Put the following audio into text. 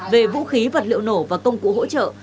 về vũ khí vật liệu nổ và công cụ hỗ trợ